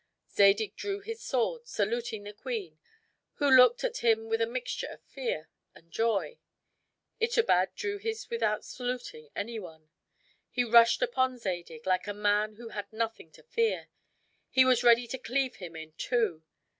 Zadig drew his sword, saluting the queen, who looked at him with a mixture of fear and joy. Itobad drew his without saluting anyone. He rushed upon Zadig, like a man who had nothing to fear; he was ready to cleave him in two.